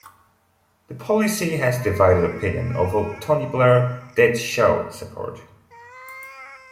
The policy has divided opinion, although Tony Blair did show support.